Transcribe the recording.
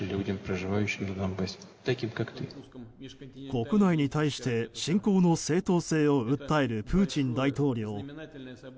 国内に対して侵攻の正当性を訴える、プーチン大統領。